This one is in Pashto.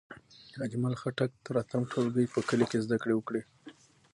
اجمل خټک تر اتم ټولګی په کلي کې زدکړې وکړې.